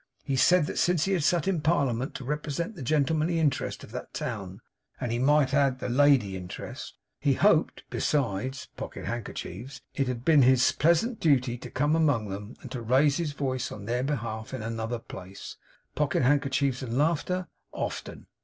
He said that since he had sat in Parliament to represent the Gentlemanly Interest of that town; and he might add, the Lady Interest, he hoped, besides (pocket handkerchiefs); it had been his pleasant duty to come among them, and to raise his voice on their behalf in Another Place (pocket handkerchiefs and laughter), often.